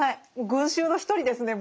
群衆の一人ですね